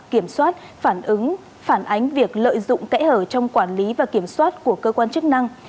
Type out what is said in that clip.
kiểm soát phản ứng phản ánh việc lợi dụng kẽ hở trong quản lý và kiểm soát của cơ quan chức năng